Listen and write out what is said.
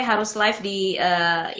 harus live di instagram